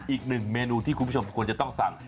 อีกหนึ่งเมนูที่คุณผู้ชมควรจะต้องสั่ง